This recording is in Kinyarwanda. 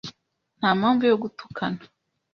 Nta mpamvu yo gutukana.